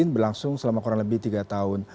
berlangsung selama kurang lebih tiga tahun